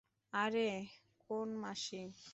আরে কোন মাসি?